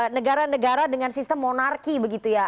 negara negara dengan sistem monarki begitu ya